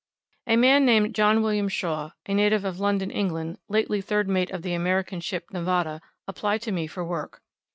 A man named John William Shaw a native of London, England, lately third mate of the American ship 'Nevada' applied to me for work.